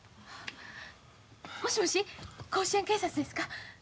もしもし甲子園警察ですか？